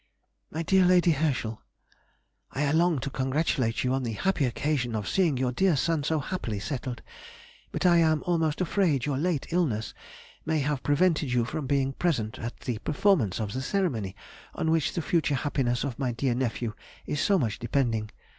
_ MY DEAR LADY HERSCHEL,— I long to congratulate you on the happy occasion of seeing your dear son so happily settled, but am almost afraid your late illness ... may have prevented you from being present at the performance of the ceremony on which the future happiness of my dear nephew is so much depending.